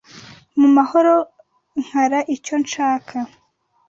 Mu mahoro nkara icyo nshaka